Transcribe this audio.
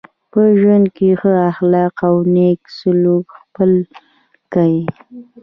په ژوند کي ښه اخلاق او نېک سلوک خپل کئ.